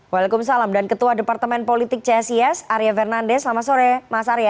waalaikumsalam dan ketua departemen politik csis arya fernandes selamat sore mas arya